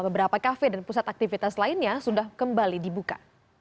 beberapa kafe dan pusat aktivitas lainnya sudah kembali dibuka